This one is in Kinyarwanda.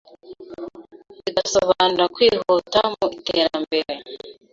bigasobanura kwihuta mu iterambere